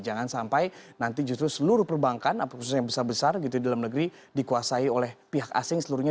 jangan sampai nanti justru seluruh perbankan khususnya yang besar besar gitu di dalam negeri dikuasai oleh pihak asing seluruhnya